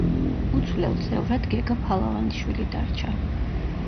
უცვლელ წევრად გეგა ფალავანდიშვილი დარჩა.